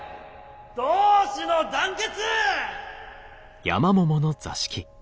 同志の団結！